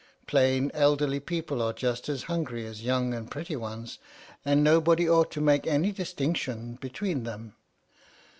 Plain elderly people are just as hungry as young and pretty ones; and nobody ought to make any distinction between them.